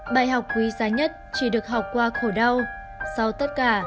bài học quý giá nhất chỉ được học qua khổ đau sau tất cả